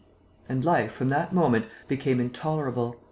And life, from that moment, became intolerable.